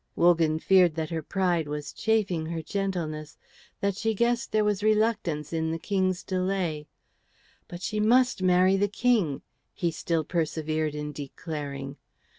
Wogan feared that her pride was chafing her gentleness, that she guessed there was reluctance in the King's delay. "But she must marry the King," he still persevered in declaring.